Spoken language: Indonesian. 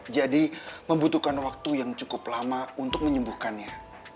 jadi membutuhkan waktu yang cukup lama untuk menyembuhkannya